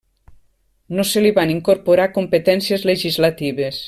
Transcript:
No se li van incorporar competències legislatives.